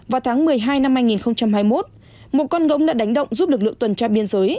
vào tháng một mươi hai năm hai nghìn hai mươi một một con ngỗng đã đánh động giúp lực lượng tuần tra biên giới